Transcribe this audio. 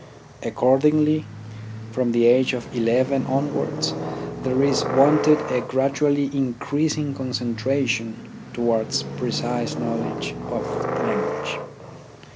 Accord ingly, from the age of eleven onwards there is wanted a gradually increasing concentration to wards precise knowledge of language.